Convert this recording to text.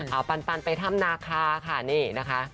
เอาปันไปถ้ำนาคาค่ะนี่นะคะ